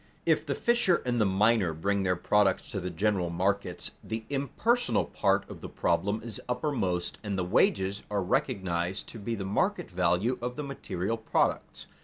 If the fisher and the miner bring their products to the general markets, the impersonal part of the problem is uppermost and the wages are recognized to be the market value of the material products.